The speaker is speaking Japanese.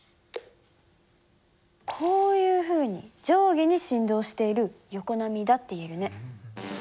こういうふうに上下に振動している横波だって言えるね。